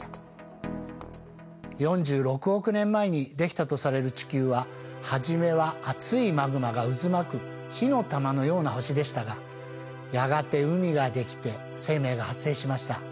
４６億年前にできたとされる地球は初めは熱いマグマが渦巻く火の玉のような星でしたがやがて海ができて生命が発生しました。